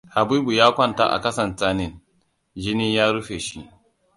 Habibu ya kwanta a ƙasan tsanin, jini ya rufe shi.